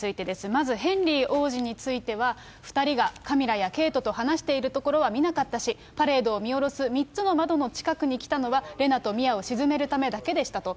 まずヘンリー王子については、２人がカミラやケイトと話していることは見なかったし、パレードを見下ろす３つの窓の近くに来たのはレナとミアを静めるためだけでしたと。